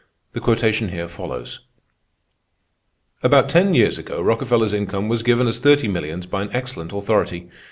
The quotation here follows: "_About ten years ago Rockefeller's income was given as thirty millions by an excellent authority.